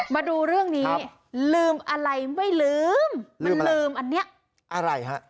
มาดูเรื่องนี้ครับลืมอะไรไม่ลืมลืมอะไรมันลืมอันเนี้ยอะไรฮะ